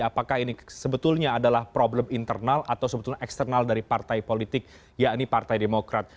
apakah ini sebetulnya adalah problem internal atau sebetulnya eksternal dari partai politik yakni partai demokrat